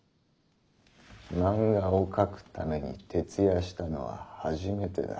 漫画を描くために徹夜したのは初めてだ。